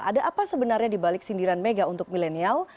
ada apa sebenarnya di balik sindiran mega untuk milenial